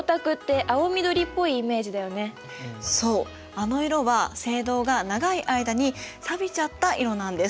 あの色は青銅が長い間にさびちゃった色なんです。